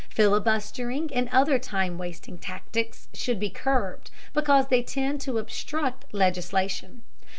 Filibustering and other time wasting tactics should be curbed, because they tend to obstruct legislation.